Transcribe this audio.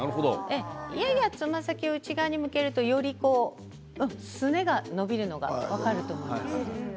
ややつま先を内側に向けるとすねが伸びるのが分かると思います。